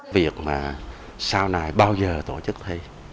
việc mà sau này bao giờ tổ chức thi